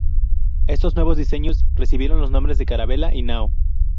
Estos nuevos diseños recibieron los nombres de carabela y nao.